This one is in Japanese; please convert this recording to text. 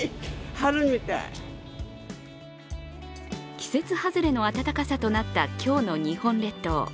季節外れの暖かさとなった今日の日本列島。